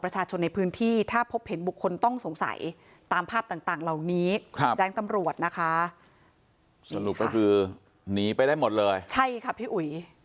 สรุปก็คือนีไปได้หมดเลยใช่ครับพี่อุ๋ย